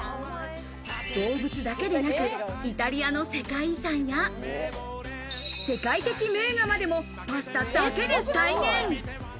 動物だけでなく、イタリアの世界遺産や、世界的名画までもパスタだけで再現。